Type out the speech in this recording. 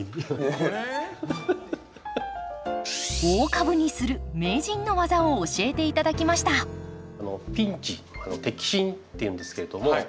大株にする名人の技を教えて頂きましたピンチ摘心っていうんですけれども。